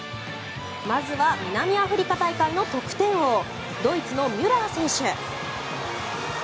まずは南アフリカ大会の得点王ドイツのミュラー選手。